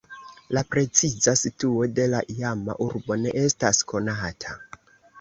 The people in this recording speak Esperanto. La preciza situo de la iama urbo ne estas konata.